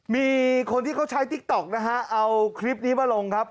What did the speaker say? มีคนที่เขาใช้ติ๊กต๊อกนะฮะเอาคลิปนี้มาลงครับ